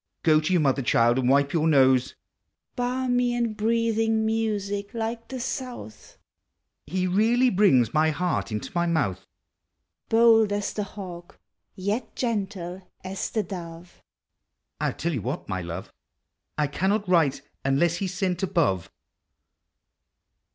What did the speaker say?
(do to your mother, child, and wij>e your nose!) Balmy and breathing music like the south, (He really brings my heart into my mouth!) Digitized by Google ABOUT CHILDREN. Bold as the hawk, yet gentle as the dove; (I '11 tell you what, my love, I cannot write unless he 's sent above.)